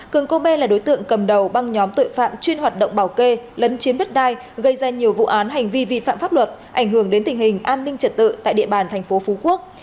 cường cô bê là đối tượng cầm đầu băng nhóm tội phạm chuyên hoạt động bảo kê lấn chiếm đất đai gây ra nhiều vụ án hành vi vi phạm pháp luật ảnh hưởng đến tình hình an ninh trật tự tại địa bàn thành phố phú quốc